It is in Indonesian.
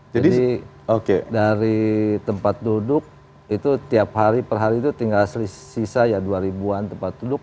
jadi dari tempat duduk itu tiap hari per hari itu tinggal sisa ya dua ribu an tempat duduk